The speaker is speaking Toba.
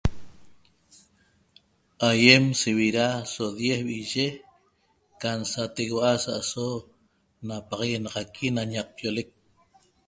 Aiem so viraa' so diez viye can sategua sa aso ñapaxaguenaq ñaqpioleq